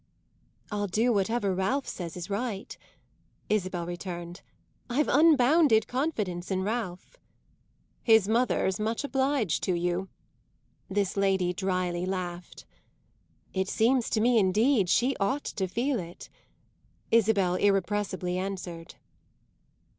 "I'll do whatever Ralph says is right," Isabel returned. "I've unbounded confidence in Ralph." "His mother's much obliged to you!" this lady dryly laughed. "It seems to me indeed she ought to feel it!" Isabel irrepressibly answered.